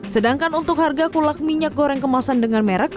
sedangkan untuk harga kulak minyak goreng kemasan dengan merek